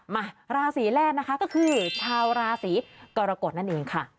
มาราศีแรกนะคะก็คือชาวราศีกรกฎนั่นเองค่ะ